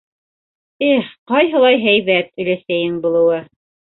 Эх, ҡайһылай һәйбәт өләсәйең булыуы!